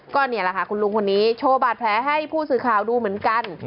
ก็นี่แหละค่ะคุณลุงคนนี้โชว์บาดแผลให้ผู้สื่อข่าวดูเหมือนกัน